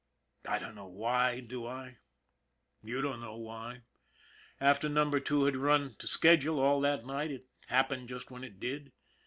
I don't know why, do I? You don't know why, after Number Two had run to schedule all that night, it happened just when it did.